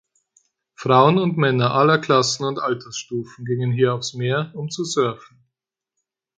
Frauen und Männer aller Klassen und Altersstufen gingen hier aufs Meer, um zu surfen.